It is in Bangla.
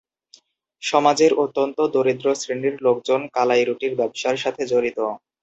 সমাজের অত্যন্ত দরিদ্র শ্রেণীর লোকজন কালাই রুটির ব্যবসার সাথে জড়িত।